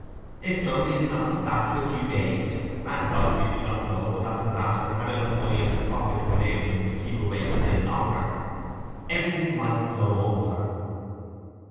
If Dunsey did not come back for a few days (and Godfrey did not know but that the rascal had enough money in his pocket to enable him to keep away still longer), everything might blow over.